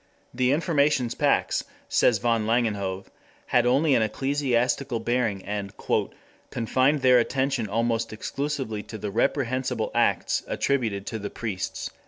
The Informations Pax, says M. van Langenhove, had only an ecclesiastical bearing and "confined their attention almost exclusively to the reprehensible acts attributed to the priests."